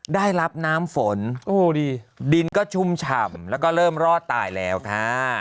ได้รับน้ำฝนดินก็ชุ่มฉ่ำแล้วก็เริ่มรอดตายแล้วค่ะ